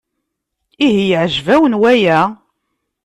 Ihi yeɛjeb-awen waya?